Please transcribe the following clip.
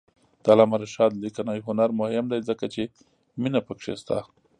د علامه رشاد لیکنی هنر مهم دی ځکه چې مینه پکې شته.